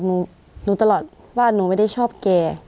รู้ตลอดว่าหนูไม่ได้ชอบแก